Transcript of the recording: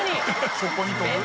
そこに飛ぶ？